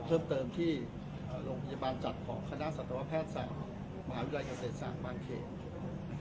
เพิ่มเติมที่เอ่อโรงพยาบาลจัดของคณะสุดภาษาแสลมหาวิทยาลัยเกษตรศาสตร์บางเขต